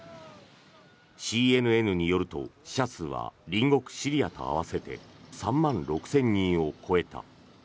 ＣＮＮによると死者数は隣国シリアと合わせて３万６０００人を超えた。